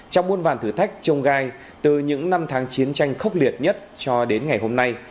trong buôn vàn thử thách trông gai từ những năm tháng chiến tranh khốc liệt nhất cho đến ngày hôm nay